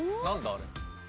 あれ。